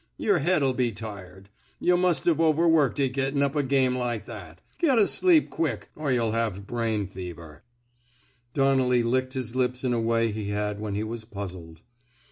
Yer head'll be tired. Yuh must Ve overworked it gettin' up a game like that. Get asleep quick, er yuh '11 have brain fever." Donnelly licked his lips in a way he had when he was puzzled.